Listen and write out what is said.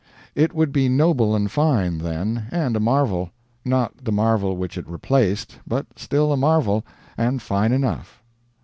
It would be noble and fine, then, and a marvel; not the marvel which it replaced, but still a marvel, and fine enough.